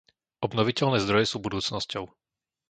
Obnoviteľné zdroje sú budúcnosťou.